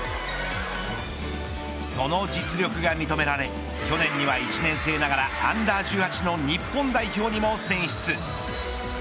その実力が認められ去年には１年生ながらアンダー１８の日本代表にも選出。